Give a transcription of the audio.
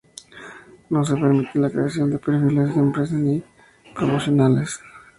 No se permite la creación de perfiles de empresa ni promocionales.